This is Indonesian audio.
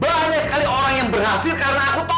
banyak sekali orang yang berhasil karena aku tahu